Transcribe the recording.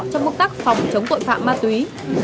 trong mục tác phòng chống tội phạm ma túy